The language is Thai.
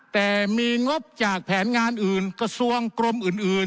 แต่มีงบจากแผนงานอื่นกระทรวงกรมอื่น